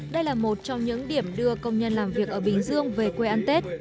đây là một trong những điểm đưa công nhân làm việc ở bình dương về quê ăn tết